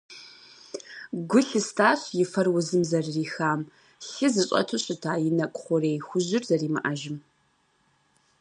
Гу лъыстащ и фэр узым зэрырихам, лъы зыщӀэту щыта и нэкӀу хъурей хужьыр зэримыӀэжым.